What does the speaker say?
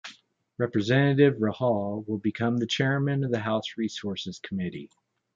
Representative Rahall will become the Chairman of the House Resources Committee.